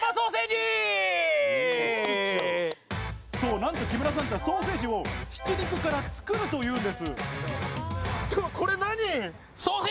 なんと木村さん、ソーセージもひき肉から作るというんです。